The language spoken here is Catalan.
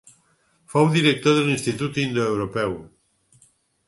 Fou director de l'Institut indoeuropeu.